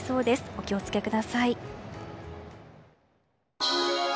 お気を付けください。